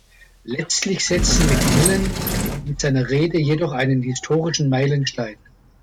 Letztlich setzte Macmillan mit seiner Rede jedoch einen historischen Meilenstein.